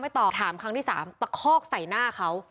ตอบถามครั้งที่สามตะคอกใส่หน้าเขา